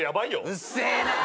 うっせえなぁ！